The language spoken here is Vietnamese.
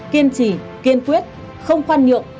kiên trì kiên quyết không khoan nhượng